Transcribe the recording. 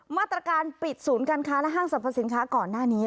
มาตรการปิดศูนย์การค้าและห้างสรรพสินค้าก่อนหน้านี้